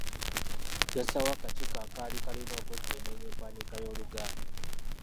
Yassaawo akakiiko akaali kalina okwekenneenya empandiika y'Oluganda.